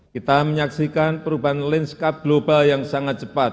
kita menyaksikan perubahan landscape global yang sangat cepat